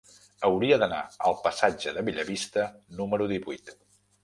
Hauria d'anar al passatge de Bellavista número divuit.